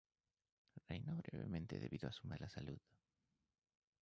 Reinó brevemente debido a su mala salud.